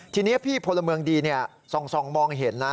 ทีนี้พี่พลเมืองดีส่องมองเห็นนะ